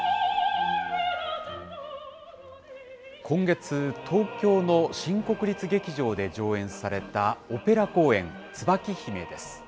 今月、東京の新国立劇場で上演されたオペラ公演、椿姫です。